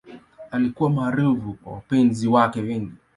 Alikuwa maarufu kwa wapenzi wake wengi.